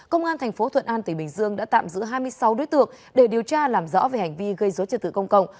công an tp thuận an tỉnh bình dương đã tạm giữ hai mươi sáu đối tượng để điều tra làm rõ về hành vi gây dối trật tự công cộng